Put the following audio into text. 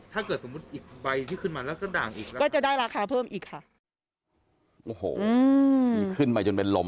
ถ้าเกิดสมมติอีกใบที่ขึ้นมาแล้วก็ด่างอีกหรอก็จะได้ราคาเพิ่มอีกค่ะ